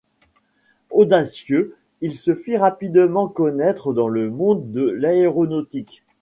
Audacieux, il se fit rapidement connaître dans le monde de l'aéronautique.